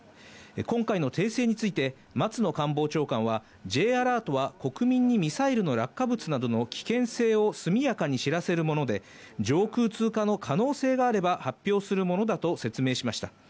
今回の訂正について松野官房長官はＪアラートは国民にミサイルの落下物などの危険性を速やかに知らせるもので、上空通過の可能性があれば発表するものだと説明しました。